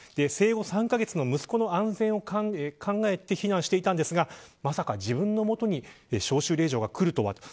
生後３カ月の息子の安全を考えて避難していたんですがまさか自分のもとに召集令状が来るとは。